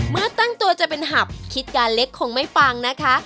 เมื่อตั้งตัวจะเป็นหับคิดการเล็กคงไม่ฟังนะคะ